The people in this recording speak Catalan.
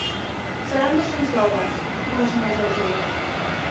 Seran dos-cents dòlars —resumeix el Jake.